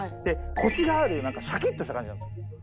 コシがあるシャキッとした感じなんですよ。